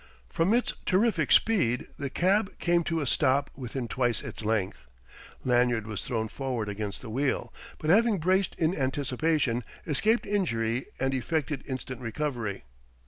From its terrific speed the cab came to a stop within twice its length. Lanyard was thrown forward against the wheel, but having braced in anticipation, escaped injury and effected instant recovery.